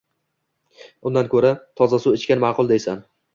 Undan ko’ra, toza suv ichgan ma’qul deysan.